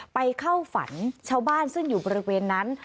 ไปเข้าฝันชาวบ้านซึ่งอยู่บริเวณนั้น